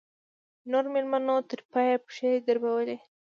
نورو مېلمنو تر پایه پښې دربولې.